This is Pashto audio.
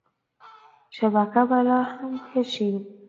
شبکه به لا ښه شي.